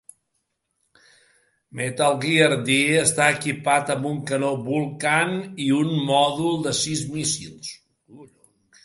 Metal Gear D està equipat amb un canó Vulcan i un mòdul de sis míssils.